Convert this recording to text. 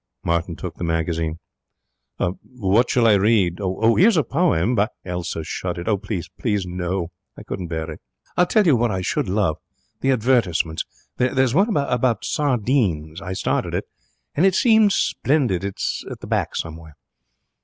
Martin took the magazine. 'What shall I read? Here's a poem by ' Elsa shuddered. 'Oh, please, no,' she cried. 'I couldn't bear it. I'll tell you what I should love the advertisements. There's one about sardines. I started it, and it seemed splendid. It's at the back somewhere.'